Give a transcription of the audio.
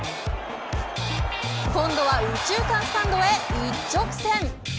今度は右中間スタンドへ一直線。